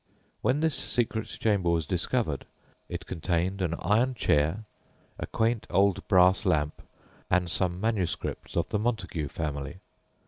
When this secret chamber was discovered, it contained an iron chair, a quaint old brass lamp, and some manuscripts of the Montague family.